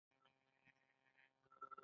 ایا زه وروسته پیسې ورکولی شم؟